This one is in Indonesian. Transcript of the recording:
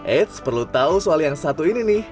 eits perlu tahu soal yang satu ini nih